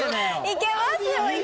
いけます。